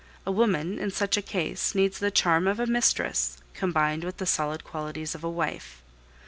A woman in such a case needs the charm of a mistress, combined with the solid qualities of a wife.